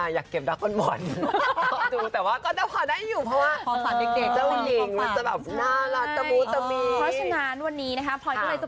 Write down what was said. อยากเก็บดร็ากคอนบอล